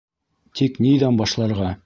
Тик ниҙән башларға?